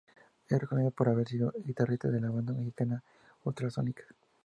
Es reconocida por haber sido guitarrista de la banda mexicana Ultrasónicas.